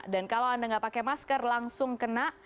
dan kalau anda tidak pakai masker langsung kena